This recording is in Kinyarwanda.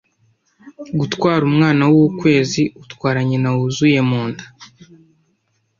Gutwara umwana w'ukwezi utwara nyina wuzuye mu nda,